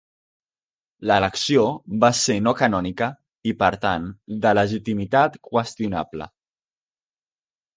L'elecció va ser no canònica i per tant, de legitimitat qüestionable.